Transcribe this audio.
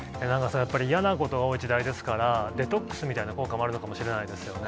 やっぱり、嫌なことが多い時代ですから、デトックスみたいな効果もあるのかもしれないですよね。